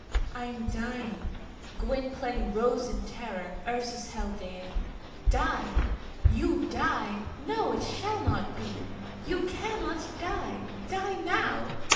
I am dying!" Gwynplaine rose in terror. Ursus held Dea. "Die! You die! No; it shall not be! You cannot die! Die now!